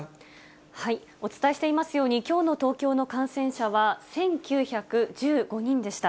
お伝えしていますように、きょうの東京の感染者は、１９１５人でした。